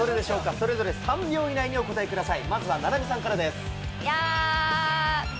それぞれ３秒以内にお答えください。